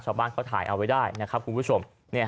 ชาวบ้านเขาถ่ายเอาไว้ได้นะครับคุณผู้ชม